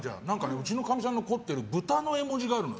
うちのかみさんが持ってる豚の絵文字があるの。